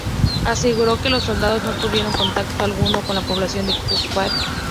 Aseguró que los soldados no tuvieron contacto alguno con la población de Kuwait.